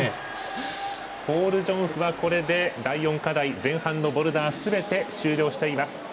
ポール・ジョンフはこれで第４課題、前半のボルダーすべて終了しています。